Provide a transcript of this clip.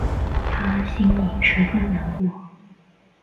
她心里十分难过